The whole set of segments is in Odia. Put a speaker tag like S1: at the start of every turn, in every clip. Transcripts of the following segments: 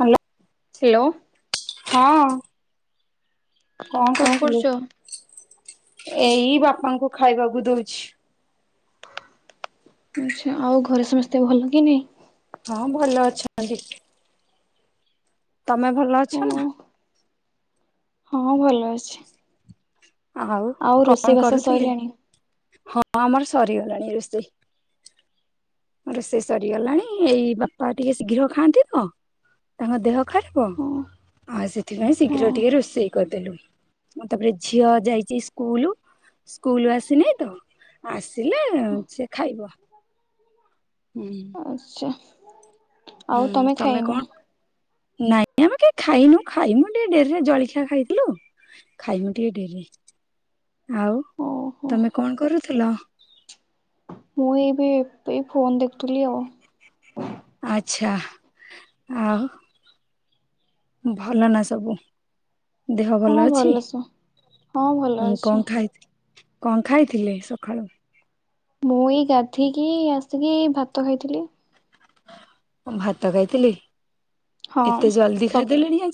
S1: ହ୍ୟାଲୋ।
S2: ହ୍ୟାଲୋ।
S1: ହଁ।
S2: କଣ କରୁଛ?
S1: ଏଇ ବାପାଙ୍କୁ ଖାଇବାକୁ ଦଉଛି।
S2: ଆଛା ଆଉ ଘରେ ସମସ୍ତେ ଭଲ କି ନାଇଁ?
S1: ହଁ ଭଲ ଅଛନ୍ତି। ତମେ ଭଲ ଅଛ
S2: ହଁ
S1: ନା?
S2: ହଁ ଭଲ ଅଛି।
S1: ଆଉ କଣ
S2: ରୋଷେଇବାସ
S1: କରୁଥିଲେ
S2: ସଇଲାଣି?
S1: ହଁ ଆମର ସରିଗଲାଣି ରୋଷେଇ। ରୋଷେଇ ସରିଗଲାଣି ଏଇ ବାପା ଟିକେ ଶୀଘ୍ର ଖାଆନ୍ତି ତ। ତାଙ୍କ ଦେହ ଖରାପ।
S2: ହଁ
S1: ଆଉ ସେଥିପାଇଁ
S2: ହଁ
S1: ଶୀଘ୍ର ଟିକେ ରୋଷେଇ କରିଦେଲୁ ମୁଁ ତାପରେ ଝିଅ ଯାଇଛି ସ୍କୁଲ। ସ୍କୁଲ ରୁ ଆସି ନାଇ ତ ଆସିଲେ ସେ ଖାଇବ। ହୁଁ।
S2: ଆଛା।
S1: ହୁଁ ତମେ କଣ ନାଇଁ ଆମେ କେହି ଖାଇନୁ ଖାଇମୁ ଟିକେ ଡେରିରେ ଜଳିଖିଆ ଖାଇଥିଲୁ ଖାଇମୁ ଟିକେ ଡେରି। ଆଉ
S2: ଓହୋ
S1: ତମେ କଣ କରୁଥିଲ?
S2: ମୁଁ ଏବେ ଏଇ ଫୋନ୍ ଦେଖୁଥିଲି ଆଉ।
S1: ଆଚ୍ଛା ଆଉ। ଭଲ ନା ସବୁ। ଦେହ
S2: ହଁ
S1: ଭଲ ଅଛି?
S2: ଭଲସ ହଁ ଭଲ
S1: ହୁଁ
S2: ଅଛି।
S1: କଣ ଖାଇଥି କଣ ଖାଇଥିଲେ ସଖାଳୁ?
S2: ମୁଁ ଏଇ ଗାଧେଇକି ଆସିକି ଭାତ ଖାଇଥିଲି।
S1: ଭାତ ଖାଇଥିଲେ
S2: ହଁ
S1: ଏତେ ଜଲଦି
S2: ସ
S1: ଖାଇଦେଲେଣି ଆଁଇ।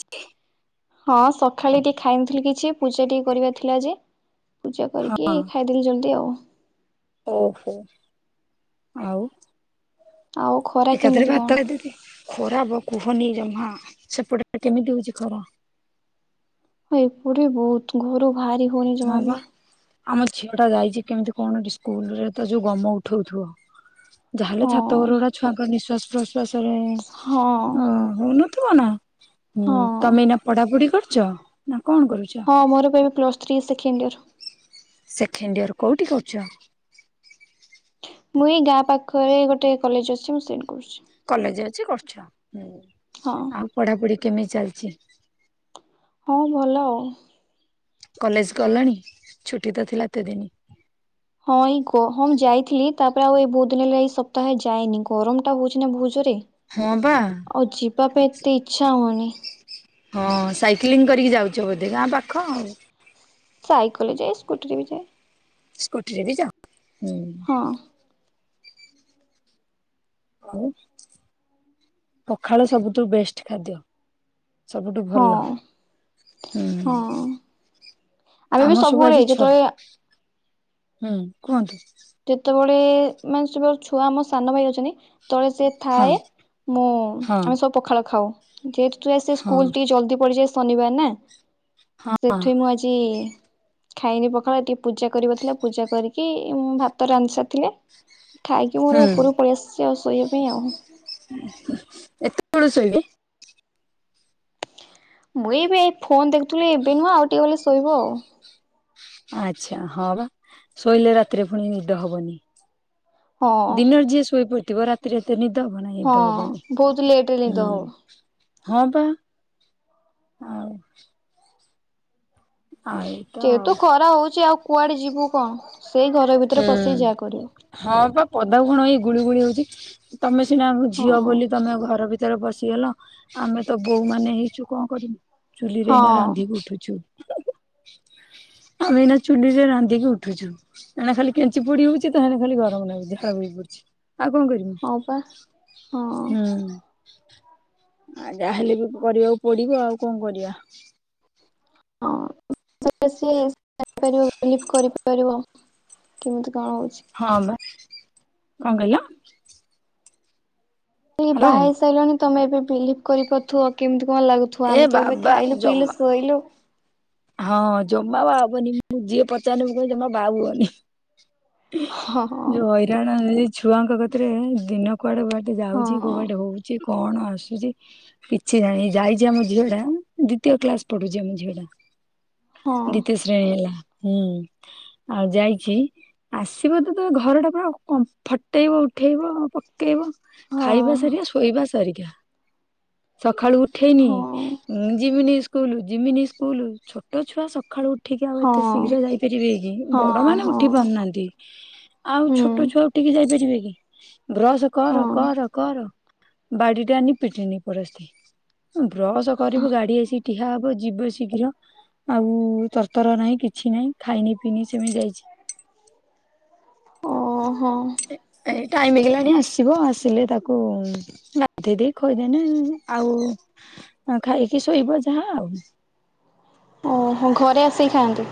S2: ହଁ ସଖାଳେ ଟିକେ ଖାଇନଥିଲି କିଛି ପୂଜା ଟିକେ କରିବା ଥିଲା ଯେ ପୂଜା କରିକି
S1: ହଁ
S2: ଖାଇ ଦେଲି ଜଲଦି ଆଉ।
S1: ଓହୋ ଆଉ।
S2: ଆଉ। ଖରା
S1: ଏକାଥରେ
S2: କେମିତି କଣ?
S1: ଭାତ ଖାଇଦେଲି। ଖରା ବ କୁହନି ଜମା ସେପଟେ କେମିତି ହୋଉଚି ଖରା?
S2: ହଁ ଏପଟେ ବୋହୁତ ଘରୁ ବାହାରି ହୋଉନି
S1: ହଁ
S2: ଜମା
S1: ବା
S2: ବି।
S1: ଆମ ଝିଅ ଟା ଯାଇଚି କେମିତି କଣ ସ୍କୁଲରେ ତ ଯୋଉ ଗମ ଉଠୋଉଥିବ। ଯାହାହେଲେ
S2: ହଁ
S1: ଛାତ ଘରଗୁଡା ଛୁଆଙ୍କ ନିଶ୍ଵାସ ପ୍ରଶ୍ଵାସରେ
S2: ହଁ
S1: ଅ ହୋଉନଥିବ ନା। ହୁଁ
S2: ହଁ
S1: ତମେ ଏଇ ନା ପଢାପଢି କରୁଚ ନା କଣ କରୁଚ?
S2: ହଁ ମୋର ପା ଏବେ ପ୍ଲସଥ୍ରୀ ସେକେଣ୍ଡେ ଇୟର।
S1: ସେକେଣ୍ଡ ଇୟର୍ କୋଉଠି କରୁଚ?
S2: ମୁଁ ଏଇ ଗାଁ ପାଖରେ ଗୋଟେ କଲେଜ ଅଛି। ମୁଁ ସେଇଠି କରୁଚି।
S1: କଲେଜ ଅଛି କରଚି
S2: ହଁ
S1: ଆଉ। ପଢାପଢି କେମିତି ଚାଲିଚି?
S2: ହଁ ଭଲ ଆଉ।
S1: କଲେଜ ଗଲଣି ଛୁଟି ତ ଥିଲା ଏତେ ଦିନି।
S2: ହଁ ଏଇ ଗହମ ଯାଇଥିଲି ତାପରେ ଆଉ ବୋହୁତ ଦିନ ହେଲା ଏଇ ସପ୍ତାହେ ଯାଇନି ଗରମଟା ହୋଉଚି ନା ବୋହୁତ ଜୋରରେ।
S1: ହଁ ପା।
S2: ଆଉ ଯିବା ପାଇଁ ଏତେ ଇଚ୍ଛା ହୋଉନି।
S1: ହଁ ସାଇକେଲିଂ କରିକି ଯାଉଚ ବୋଧେ ଗାଁ ପାଖ।
S2: ସାଇକେଲରେ ଯାଏ ସ୍କୁଟିରେ ବି ଯାଏ।
S1: ସ୍କୁଟିରେ ବି ଯାଅ ହୁଁ।
S2: ହଁ।
S1: ଆଉ ପଖାଳ ସବୁଠୁ ବେଷ୍ଟ ଖାଦ୍ୟ। ସବୁଠୁ
S2: ହଁ
S1: ଭଲ ହୁଁ।
S2: ହଁ ଆମେ ବି
S1: ଆମର ସବୁ
S2: ସବୁବେଳେ
S1: ଆଜି ଛଅ
S2: ଯେତେବେଳେ
S1: ହୁଁ କୁହନ୍ତୁ।
S2: କେତେବେଳେ ମାନେ ସବୁ ଛୁଆ ଆମ ସାନ ଭାଇ ଅଛନ୍ତି। ତଳେ ସିଏ
S1: ହଁ
S2: ଥାଏ। ମୁଁ
S1: ହଁ
S2: ଆମେ ସବୁ ପଖାଳ ଖାଉ। ଯେହେତୁ ତା ସେ ସ୍କୁଲ
S1: ହଁ
S2: ଟିକେ ଜଲଦି ପଡିଯାୟେ ଶନିବାର ନା
S1: ହଁ। ହଁ
S2: ସେଥିପାଇଁ ମୁଁ ଆଜି ଖାଇନି ପଖାଳ ଟିକେ ପୂଜା କରିବାର ଥିଲା। ପୂଜା କରିକି ମୁଁ ଭା ତ ରାନ୍ଧି ସାରି ଥିଲେ। ଖାଇକି ମୋର
S1: ହୁଁ
S2: ଉପରକୁ ପଳେଇ ଆସିଚି ଆଉ ଶୋଇବା ପାଇଁ ଆଉ।
S1: ଏତେବେଳୁ ଶୋଇବ।
S2: ମୁଁ ଏବେ ଏଇ ଫୋନ ଦେଖୁଥିଲି ଏବେ ନୁହଁ ଆଉ ଟିକେ ଗଲେ ଶୋଇବୁ ଆଉ।
S1: ଆଚ୍ଛା ହଁ ବା ଶୋଇଲେ ରାତିରେ ଫୁଣି ନିଦ ହବନି।
S2: ହଁ।
S1: ଦିନରେ ଯିଏ ଶୋଇପଡିଥିବ। ରାତିରେ ଏତେ ନିଦ ହବ ନାହିଁ
S2: ହଁ
S1: ନିଦ ହବନି
S2: ବହୁତ ଲେଟ ରେ ନିଦ ହବ
S1: ହୁଁ। ହଁ ପା ଆଉ ଆ ଏ
S2: ଯେହେତୁ ଖରା ହୋଉଚି ଆଉ କୁଆଡେ ଯିବୁ କଣ ସେଇ ଘର ଭିତରେ ପଶିକି ଯାହା
S1: ହୁଁ
S2: କରିବୁ।
S1: ହଁ ବପା ପଦାକୁ କଣ ଏଇ ଗୁଳି ଗୁଳି ହୋଉଚି। ତମେ ସିନା ଆମ
S2: ହଁ
S1: ଝିଅ ବୋଲି ତମ ଘର ଭି ତରେ ପସିଗଲ। ଆମେ ତ ବୋହୁ ମାନେ ହେଇଚୁ କଣ କରିବୁ ଚୁଲିରେ ଏଇନା
S2: ହଁ।
S1: ରାନ୍ଧିକି ଉଠୁଚୁ। ଆମେ ଏଇନା ଚୁଲିରେ ରାନ୍ଧିକି ଉଠୁଚୁ। ଏଣେ ଖାଲି କେଞ୍ଚି ଫୋଡି ହୋଉଚି ତ ହେଣେ ଖାଲି ଗରମ ନାଗୁଚି ଝାଳ ବୋହିପଡୁଚି ଆଉ କଣ
S2: ହଁ ପା ହଁ
S1: କରିବୁ। ହୁଁ। ଆ ଯାହା ହେଲେ ବି କରିବାକୁ ପଡିବ ଆଉ କଣ କରିବା।
S2: ହଁ [unintelligible] କେମିତି କଣ ହଉଛି?
S1: ହଁ ବା କଣ କହିଲ? ହ୍ୟାଲୋ
S2: ବାହା ହେଇ ସାରିଲଣି ତମେ ଏବେ ବିଲିଭ୍ କରିପାରୁଥିବ ଆଉ କେମିତି କଣ ଲାଗୁଥିବ?
S1: ଏ
S2: ଆମେ ତ ଏବେ
S1: ବାବା
S2: ଖାଇଲୁ
S1: ଜମା
S2: ପିଇଲୁ ଶୋଇଲୁ।
S1: ହଁ ଜମା ବାହା ହବନି ମୁଁ ଯିଏ ପଚାରିଲେ ମୁଁ କହେ ଜମା ବାହା ହୁଅନି।
S2: ହଁ
S1: ଯୋଉ ହଇରାଣ ଏଇ ଛୁଆଙ୍କ କତିରେ ଦିନ କୁଆଡେ ବାଟେ
S2: ହଁ
S1: ଯାଉଛି କୋବାଟେ ହଉଛି କଣ ଆସୁଛି? କିଛି ନାଇ ଯାଇଛି ଆମ ଝିଅ ଟା ଦ୍ୱିତୀୟ କ୍ଲାସ ପଢୁଛି ଆମ ଝିଅ ଟା।
S2: ହଁ
S1: ଦିତୀୟ ଶ୍ରେଣୀ ହେଲା ହୁଁ ଆଉ ଯାଇଛି। ଆସିବ ତ ତ ଘର ଟା ପୁରା ଫଟେଇବ ଉଠେଇବ। ପକେଇବ ଖାଇବା ସାରିକା
S2: ହଁ
S1: ଶୋଇବା ସାରିକା ସକାଳୁ ଉଠେଇନି ଜିମିନି ସ୍କୁଲ ଜିମିନି ସ୍କୁଲ ଛୋଟ ଛୁଆ ସଖାଳୁ ଉଠିକି ଆଉ
S2: ହଁ
S1: ଏତେ ଶୀଘ୍ର ଯାଇପାରିବେ କି
S2: ହଁ
S1: ବଡ
S2: ହଁ
S1: ମାନେ
S2: ହଁ
S1: ଉଠି ପାରୁନାହାନ୍ତି ଆଉ
S2: ହୁଁ
S1: ଛୋଟ ଛୁଆ ଉଠିକି ଯାଇପାରିବେ କି ବ୍ରସ କର
S2: ହଁ
S1: କର କର ବାଡି ଟା ଆଣି ପିଟନି ପରାସ୍ତେ ବ୍ରଶ କରିବୁ ଗାଡ଼ି ଆସି ଠିଆ ହବ ଯିବୁ ଶୀଘ୍ର। ଆଉ ତରତର ନାହିଁ କିଛି ନାହିଁ ଖାଇନି ପିିନି ସେମିତି ଯାଇଛି।
S2: ଓହୋ।
S1: ଏ ଏଇ ଟାଇମ ହେଇଗଲାଣି ଆସିବ ଆସିଲେ ତାକୁ ଗାଧେଇ ଦେଇ ଖୋଇଦେମି ଆଉ ଆଉ ଖାଇକି ଶୋଇବ ଯାହା ଆଉ।
S2: ଓ ହୋ ଘରେ ଆସିକି ଖାଆନ୍ତି?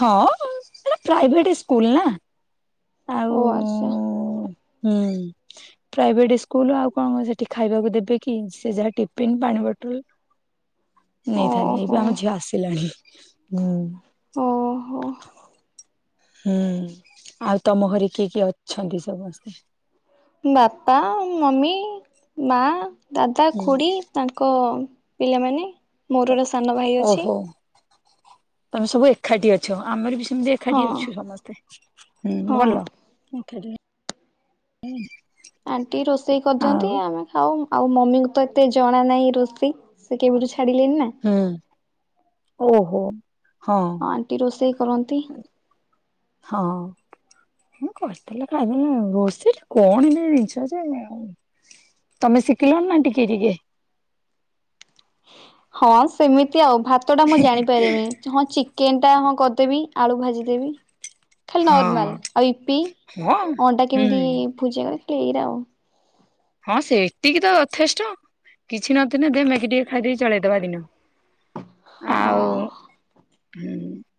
S1: ହଁ ଏଟା ପ୍ରାଇଭେଟ ସ୍କୁଲ ନା।
S2: ଓ ଆଚ୍ଛା
S1: ଆଉ ହୁଁ। ପ୍ରାଇଭେଟ ସ୍କୁଲ ଆଉ କଣ କ ସେଠି ଖାଇବାକୁ ଦେବେ କି ସେ ଯାହା ଟିଫନ୍ ପାଣି ବୋଟଲ
S2: [inaudible]
S1: ନେଇଥାନ୍ତି
S2: ଓହୋ
S1: ଏଇବା ମୋ ଝିଅ ଆସିଲାଣି ହୁଁ।
S2: ଓହୋ।
S1: ହୁଁ ଆଉ ତମ ଘରେ କିଏ କିଏ ଅଛନ୍ତି ସମସ୍ତେ?
S2: ବାପା ମମି ମା ଦାଦା
S1: ହୁଁ
S2: ଖୁଡ଼ି। ତାଙ୍କ ପିଲାମାନେ ମୋର ସାନ ଭାଇ ଅଛି।
S1: ଓହୋ ତମେ ସବୁ ଏଖାଠି ଅଛ ଆମର ବି ସେମିତି ଏକାଠି
S2: ହଁ
S1: ଅଛୁ ସମସ୍ତେ।
S2: ହଁ। ଆଣ୍ଟି ରୋଷେଇ
S1: ଆଉ
S2: କରିଦିଅନ୍ତି ଆମେ ଖାଉ ଆଉ ମମିଙ୍କୁ ତ ଏତେ ଜଣା ନାହିଁ ରୋଷେଇ। ସେ କେବେଠୁ ଛାଡ଼ିଲେଣି ନା।
S1: ହୁଁ ଓହୋ ହଁ।
S2: ଆଣ୍ଟି ରୋଷେଇ କରନ୍ତି।
S1: ହଁ। ହଁ କରିଥିଲା ଖାଇଦେଲେ ରୋଷେଇ କଣ ଜିନିଷ ଏମତି ଜିନିଷ ଯେ ଆଉ ତମେ ସିଖିଲାନି ନା ଟିକେ ଟିକେ
S2: ହଁ ସେମିତି ଆଉ ଭାତ ଟା ମୁଁ ଜାଣିପାରିମି। ହଁ ଚିକେନ ଟା ହଁ କରିଦେବି ଆଳୁ ଭାଜିଦେବି। ଖାଲି
S1: ହଁ
S2: ନର୍ମାଲ ଆଉ ଇପି
S1: ହଁ
S2: ଅଣ୍ଡା କେମିତି
S1: ହୁଁ
S2: ଭୁଜିଆ କରିଆ ଖାଲି ଏଇରା ଆଉ।
S1: ହଁ ସେତିକି ତ ଯଥେଷ୍ଟ କିଛି ନଥିନେ ଦେ ମ୍ୟାଗି ଟିକେ ଖାଇଦେଇି ଚଳେଇଦବା ଦିନ। ଆଉ
S2: ହଁ।
S1: ହୁଁ।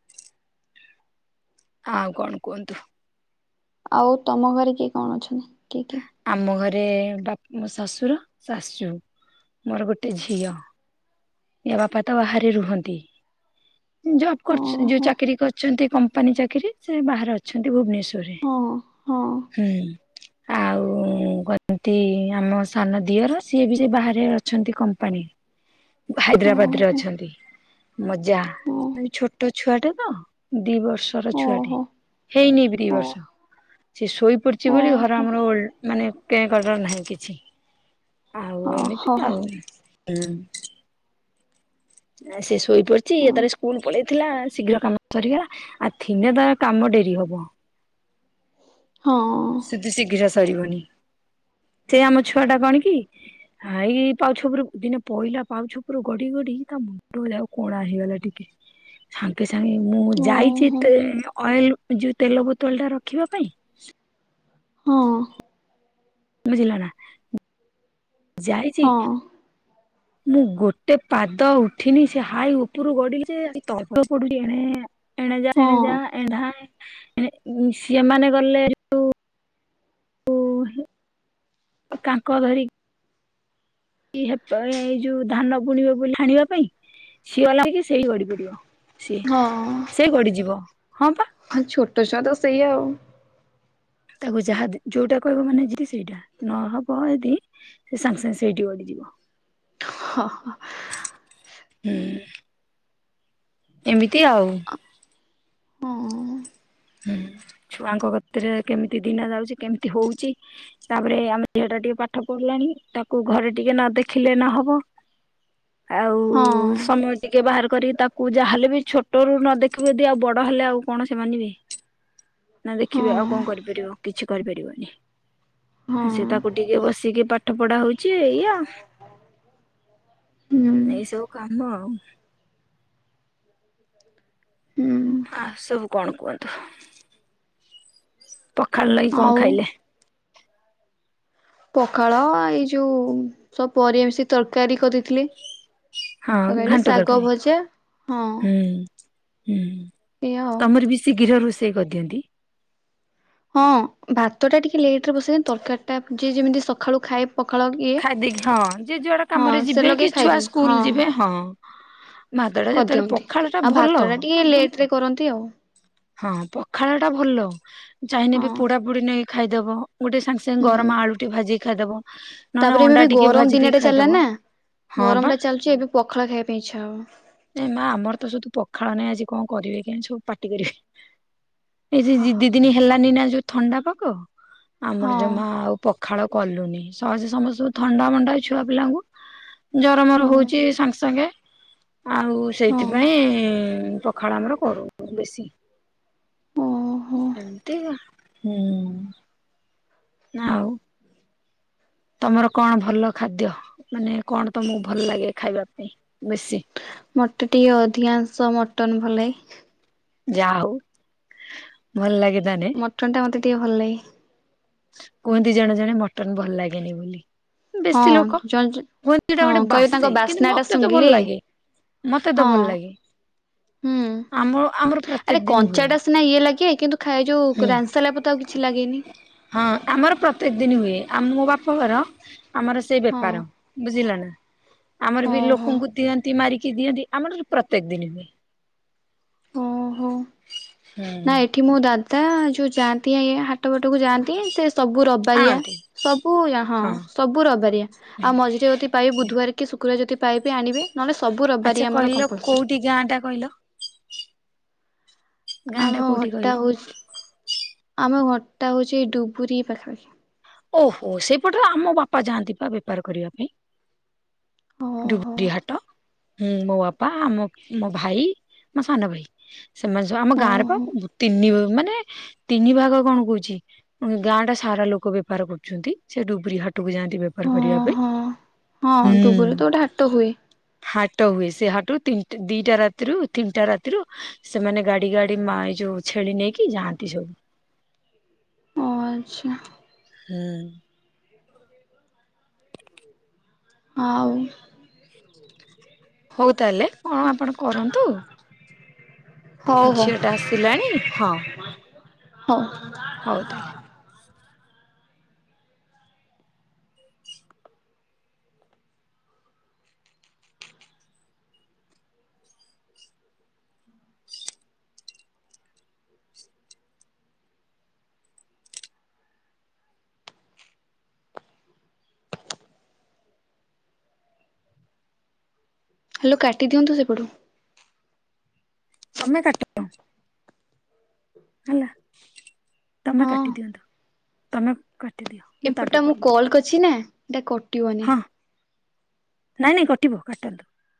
S1: ହଁ କଣ କୁହନ୍ତୁ?
S2: ଆଉ ତମ ଘରେ କିଏ କଣ ଅଛନ୍ତି କିଏ କିଏ?
S1: ଆମ ଘରେ ବାପ ଶଶୁର ଶାଶୁ ମୋର ଗୋଟେ ଝିଅ। ବାପା ତ ବାହାରେ ରୁହନ୍ତି। ଜବ୍ କର ଯୋଉ
S2: ଓହୋ
S1: ଚାକିରୀ କରିଛନ୍ତି କମ୍ପାନୀ ଚାକିରୀ, ସେ ବାହାରେ ଅଛନ୍ତି ଭୁବନେଶ୍ୱରରେ
S2: ହଁ ହଁ
S1: ହୁଁ ଉଁ [unintelligible] ଆମ ସାନ ଦିଅର, ସିଏ ବି ସେ ବାହାରେ ଅଛନ୍ତି କମ୍ପାନୀ ହାଇଦ୍ରାବାଦ ରେ
S2: ଓହୋ
S1: ଅଛନ୍ତି। ମୋ ଜା
S2: ଓ
S1: ଏ ଛୋଟ ଛୁଆଟେ ତ, ଦି ବର୍ଷର ଛୁଆଟେ।
S2: ଓହୋ
S1: ହେଇନେଇ ଦିଇ
S2: ଓ
S1: ବର୍ଷ। ସେ ଶୋଇ ପଡିଛି ବୋଲି, ଘର
S2: ଓହୋ
S1: ଆମର ମାନେ କେର ନାହିଁ କିଛି। ଆଉ
S2: ହ
S1: ଏମିତି
S2: ହ ହଁ
S1: ଆଉ, ହଁ ସେ ଶୋଇପଡିଛି, ଇଏ ତାର ସ୍କୁଲ ପଳେଇଥିଲା ଶୀଘ୍ର କାମ ସରିଗ ଆ ଥିନେ ତାର କାମ ଡେରି ହବ।
S2: ହଁ ଅଁ
S1: କିନ୍ତୁ ଶୀଘ୍ର ସରିବନି, ସେ ଆମ ଛୁଆ ଟା କଣ କି? ହଁ ଏଇ ପାଉ ଛପରୁ ଦିନେ ପହିଲା ପାଉ ଛପରୁ ଗଡି ଗଡିି ତା ମୁଁ କହିଲି, ଆଉ କଣ ହେଇଗଲା ଟିକେ?
S2: [inaudible]
S1: ସାଙ୍ଗେ ସାଙ୍ଗେ ମୁଁ ଯାଇଛି
S2: ହଁ
S1: ଅଏଲ ଯୋଉ ତେଲ ବୋତଳ ଟା ରଖିବା ପାଇଁ ବୁଝିଲ ନା। ଯାଇଛି।
S2: ହଁ
S1: ମୁଁ ଗୋଟେ ପାଦ ଉଠିନି, ସେ ହାଇ ଉପରୁ ଗଡି ତଟ ପଡୁଛି ଏଣେଜା ସେଣେଜା
S2: ହଁ
S1: ଏଢା ସିଅ ମାନେ ଗଲେ। ଯୋଉ [unintelligible] ଏଇ ଯୋଉ ଧାନ ବୁଣିବ ବୋଲି ହାଣିବା ପାଇଁ, ସିଏ ଗଲା ହେ କିି ସେଇି ଗଡି ପଡିବ। ସିଏ, ସେ ଗଡିଯିବ, ହଁ ପା।
S2: ଆଉ ଛୋଟ ଛୁଆ ତ ସେଇଆ ଆଉ।
S1: ତାକୁ ଯାହା ଯୋଉଟା କହିବ ମାନେ ଯ ସେଇଟା, ନହବ ଯଦି ସେ ସାଙ୍ଗେ ସାଙ୍ଗେ ସେଇଠି ଗଡିଯିବ।
S2: ହଁ ହ।
S1: [unintelligible] ଏମିତି ଆଉ।
S2: ହଁ
S1: ହୁଁ, ଛୁଆଙ୍କ କତିରେ କେମିତି ଦିନ ଯାଉଛି? କେମିତି ହଉଛି? ତାପରେ ଆମେ ଝିଅ ଟା ଟିକେ ପାଠ ପଢ଼ିଲାଣି। ତାକୁ ଘରେ ଟିକେ ନ ଦେଖିଲେ ନହବ।
S2: [inaudible]
S1: ଆଉ ସମ ଟିକେ ବାହାର କରି ତାକୁ ଯାହେଲେ ବି, ଛୋଟରୁ ନ ଦେଖିବୁ ଯଦି ଆଉ ବଡ ହେଲେ ଆଉ କଣ ସେମାନେ ବି। ନା ଦେଖିବେ
S2: ହଁ
S1: ଆଉ କଣ କରିପାରିବ? କିଛି କରିପାରିବନି।
S2: ହଁ
S1: ସେ ତାକୁ ଟିକେ ବସିକି ପାଠ ପଢା ହଉଛି ଏଇଆ।
S2: ହୁଁ
S1: ଏଇ ସବୁ କାମ ଆଉ।
S2: [inaudible]
S1: ଆ ସବୁ କଣ କୁହନ୍ତୁ? ପଖାଳ ଲାଗି କଣ
S2: ଆଉ
S1: ଖାଇଲେ?
S2: ପଖାଳ ଏଇ ଯୋଉ ସବୁ ପରିବା ମିଶି ତରକାରୀ କରିଦେଇଥିଲି।
S1: ହଁ,
S2: କଣ କହିଲେ
S1: ଘାଣ୍ଟ
S2: ଶାଗ
S1: ତରକାରି,
S2: ଭଜା ହଁ
S1: ହୁଁ ହୁଁ,
S2: ଏଇଆ ଆଉ।
S1: ତମର ବି ଶୀଘ୍ର ରୋଷେଇ କରିଦିଅନ୍ତି।
S2: ହଁ, ଭାତ ଟା ଟିକେ ଲେଟ ରେ ବସେଇ ତରକାରୀ ଟା ଯିଏ ଯେମିତି ସକାଳୁ ଖାଏ‌। ପଖାଳ ଇଏ।
S1: ଖାଇଦେଇକି ହଁ ଯିଏ ଯୁଆଡେ
S2: ହଁ,
S1: କାମରେ
S2: ସେ
S1: ଯିବେ କି
S2: ଲଗେଇ
S1: ଛୁଆ
S2: ଖାଇଦିଅନ୍ତି।
S1: ସ୍କୁଲ
S2: ହଁ।
S1: ଯିବେ ହଁ, ମାଦଡା ଯେତେବେଳେ,
S2: କରିଦିଅନ୍ତି।
S1: ପଖାଳ ଟା
S2: ଆଉ
S1: ଭଲ।
S2: ଭାତଟା ଟିକେ ଲେଟ୍ ରେ କରନ୍ତି ଆଉ
S1: ହଁ, ପଖାଳ ଟା ଭଲ। ଚାହିଁନେ
S2: ହଁ
S1: ବି ପୋଡା ବୁଡି ନେଇକି ଖାଇଦବ। ଗୋଟେ ସାଙ୍ଗେ, ସାଙ୍ଗେ
S2: ହୁଁ।
S1: ଗରମ ଆଳୁଟି ଭାଜିକି ଖାଇଦବ। ନହେଲେ
S2: ତାପରେ ଏବେ
S1: ଅଣ୍ଡା
S2: ଏବେ
S1: ଟିକେ
S2: ଗରମ
S1: ଭାଜି ଦେଇ
S2: ଦିନଟା ଚାଲିଲା
S1: ଖାଇଦବ
S2: ନା।
S1: ହଁ
S2: ଗରମ
S1: ବା।
S2: ଟା ଚାଲୁଛି ଏବେ ପଖାଳ ଖାଇବା ପାଇଁ ଇଛା ହବ।
S1: ଏ ମା ଆମର ତ ସୁଧୁ ପଖାଳ ନାହିଁ ଆଜି କଣ କରିବେ କେଇଆଣେ ସବୁ ପାଟି କରିବେ। ଏଇ ସେ ଦି ଦି ଦିନ ହେଲାନି ନା ଯୋଉ ଥଣ୍ଡା ପାଗ। ଆମର ଜମା ଆଉ ପ ପଖାଳ କଲୁନି। ସହଜେ ସମସ୍ତଙ୍କୁ ଥଣ୍ଡା ମଣ୍ଡା ଛୁଆ ପିଲାଙ୍କୁ। ଜର ମର
S2: ହଁ
S1: ହଉଚି ସାଙ୍ଗେ ସାଙ୍ଗେ। ଆଉ
S2: ହୁଁ
S1: ସେଇଥିପାଇଁ ପଖାଳ ଆମର କରୁନୁ ବେଶୀ।
S2: ହଁ। ଓହୋ
S1: ଏମିତିକା ହୁଁ। ନା ଆଉ ତୋମର କଣ ଭଲ ଖାଦ୍ୟ? ମାନେ କଣ ତୋମକୁ ଭଲ ଲାଗେ ଖାଇବା ପାଇଁ ବେଶୀ?
S2: ମୋତେ ଟିକେ ଅଧିକାଂଶ ମଟନ୍ ଭଲ ଲାଗେ।
S1: ଯା ହଉ, ଭଲ ଲାଗେ ତାନେ।
S2: ମଟନ୍ ଟା ମୋତେ ଟିକେ ଭଲ ଲାଗେ।
S1: କୁହନ୍ତି ଜଣେ, ଜଣେ ମଟନ୍ ଭଲ ଲାଗେନି ବୋଲି। ବେଶୀ
S2: ହଁ
S1: ଲୋକ
S2: ଜଣେ
S1: [inaudible] ଏଟା
S2: ହଁ
S1: ଗୋଟେ
S2: କହିବେ ତାଙ୍କ
S1: ବାସେ କିନ୍ତୁ
S2: ବାସ୍ନା ଟା
S1: ମୋତେ ତ ଭଲ
S2: ଶୁଙ୍ଘିଲେ
S1: ଲାଗେ। ମୋତେ ତ
S2: ହଁ
S1: ଭଲ ଲାଗେ।
S2: ହୁଁ।
S1: ଆମ ଆମର
S2: ଆରେ
S1: ପ୍ରତ୍ୟେକ ଦିନ
S2: କଞ୍ଚା
S1: ହୁଏ।
S2: ଟା ସିନା ଇଏ ଲାଗେ। କିନ୍ତୁ, ଖାଇ ଯୋଉ
S1: ହୁଁ
S2: ରାନ୍ଧି ସାରିଲା ପରେ ତ ଆଉ କିଛି ଲାଗେନି।
S1: ହଁ ଆମର ପ୍ରତ୍ୟେକ ଦିନ ହୁଏ। ଆମ ମୋ ବାପ ଘର ଆମର ସେଇ
S2: ହଁ।
S1: ବେପାର। ବୁଝିଲ ନା? ଆମର ବି
S2: ଓହୋ।
S1: ଲୋକଙ୍କୁ ଦିଅନ୍ତି, ମାରିକି ଦିଅନ୍ତି। ଆମର ପ୍ରତ୍ୟେକ ଦିନ ହୁଏ। ହୁଁ।
S2: କି ମୋ ଦାଦା ଯୋଉ ଯାଆନ୍ତି ଏ ଏ ହାଟ ବାଟକୁ ଯାଆନ୍ତି ସେ ସବୁ ରବ ବାରିଆ,
S1: ଆଣନ୍ତି
S2: ସବୁ ର ହଁ ସବୁ ରବିବାରିଆ। ଆଉ ମଝିରେ ଯଦି ପାଏ ବୁଧବାର କି ଶୁକ୍ରବାର ଯଦି ପାଇବେ ଆଣିବେ। ନହେଲେ, ସବୁ ରବିବାରି
S1: ଆଚ୍ଛା
S2: ଆମର
S1: କହିଲ
S2: କମ୍ପଲସରୀ।
S1: କୋଉଠି ଗାଁ ଟା କହିଲ? ଗାଁ ଟା
S2: ଆମ
S1: କୋଉଠି
S2: ଘରଟା
S1: କହିଲ?
S2: ହଉଛି ଆମ ଘରଟା ହଉଛି ଡୁବରି ପାଖାପାଖି।
S1: ଓହୋ! ସେଇପଟର ଆମ ବାପା ଯାଆନ୍ତି ପା ବେପାର କରିବା ପାଇଁ।
S2: ଓହୋ
S1: ଡୁବରି ହାଟ। ହୁଁ, ମୋ ବାପା, ଆମ ମୋ ଭାଇ, ମୋ ସାନ ଭାଇ। ସେମାନେ ସବୁ ଆମ
S2: ଓହୋ
S1: ଗାଁରେ ପା। ତିନି ମାନେ ତିନି ଭାଗ କଣ କହୁଛି। ଅଁ, ଗାଁ ଟା ସାରା ଲୋକ ବେପାର କରୁଛନ୍ତି। ସେ ଡୁବରି ହାଟକୁ ଯାଆନ୍ତି ବେପ ପାର କରିବା
S2: ହଁ
S1: ପାଇଁ।
S2: ହଁ। ହଁ
S1: ହୁଁ,
S2: ଡୁବୁରି ତ ଗୋଟେ ହାଟ ହୁଏ।
S1: ହାଟ ହୁଏ। ସେ ହାଟ କୁ ତିନଟା ଦିଟା ରାତିରୁ ତିନିଟା ରାତିରୁ ସେମାନେ ଗାଡି ଗାଡି ମା- ଏଇ ଯୋଉ ଛେଳି ନେଇକି ଯାଆନ୍ତି ସବୁ।
S2: ଓ ଆଚ୍ଛା।
S1: ହୁଁ।
S2: ଆଉ।
S1: ହଉ ତାହେଲେ କଣ ଆପଣ କରନ୍ତୁ।
S2: ହଉ ହଉ
S1: ଝିଅ ଟା ଆସିଲାଣି ହଁ।
S2: ହଁ।
S1: ହଉ ତାହେଲେ।
S2: ହ୍ୟାଲ୍ କାଟିଦିଅନ୍ତୁ ସେପଟୁ।
S1: ତୋମେ କାଟ। ହେଲା, ତୋମେ
S2: ହଁ
S1: କାଟି ଦିଅନ୍ତୁ। ତୋମେ କାଟି ଦିଅ। ମୁଁ
S2: ଏପଟା
S1: ତାପରେ କଲ୍
S2: କରିଛି ନା ଏଟା କଟିବନି।
S1: ହଁ ନାଇଁ, ନାଇଁ କଟିବ କାଟନ୍ତୁ।